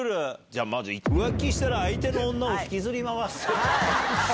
じゃあ、まず浮気したら相手の女を引きずり回す。